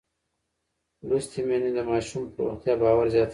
لوستې میندې د ماشوم پر روغتیا باور زیاتوي.